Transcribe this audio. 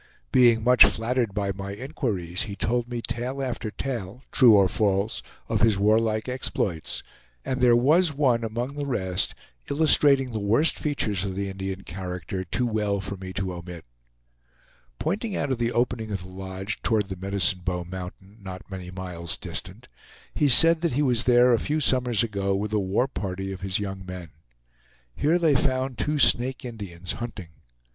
Being much flattered by my inquiries he told me tale after tale, true or false, of his warlike exploits; and there was one among the rest illustrating the worst features of the Indian character too well for me to omit. Pointing out of the opening of the lodge toward the Medicine Bow Mountain, not many miles distant he said that he was there a few summers ago with a war party of his young men. Here they found two Snake Indians, hunting.